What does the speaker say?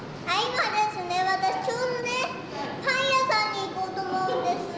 私ちょうどねパン屋さんに行こうと思うんです。